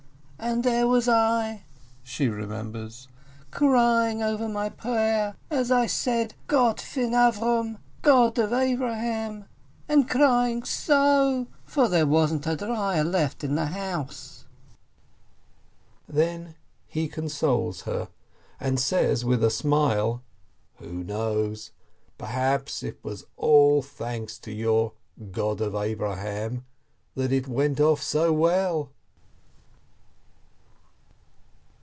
And there was I" (she remembers) "crying over my prayer as I said God of Abraham — and crying so — for there wasn't a dreier left in the house." Then he consoles her, and says with a smile: "Who knows? Perhaps it was all thanks to your 'God of Abraham' that it went off so well."